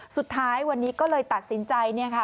สุดท้ายวันนี้ก็เลยตัดสินใจเนี่ยค่ะ